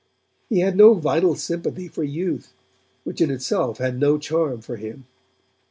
He had no vital sympathy for youth, which in itself had no charm for him.